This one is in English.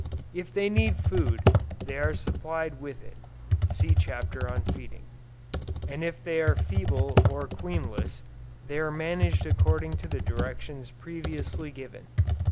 If they need food they are supplied with it, (see Chapter on Feeding,) and if they are feeble or queenless, they are managed according to the directions previously given.